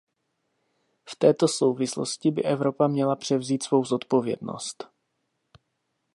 V této souvislosti by Evropa měla převzít svou odpovědnost.